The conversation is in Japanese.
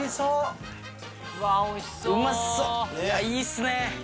いやいいっすね！